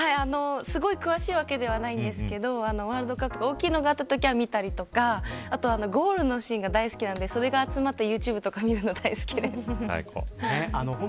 すごい詳しいわけではないんですけどワールドカップとか大きいのがあるときは見たりとかあとはゴールのシーンが大好きなんでそれをユーチューブで見るの大好きです。